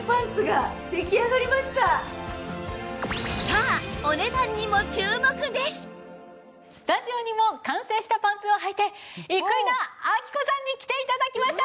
さあスタジオにも完成したパンツをはいて生稲晃子さんに来て頂きました。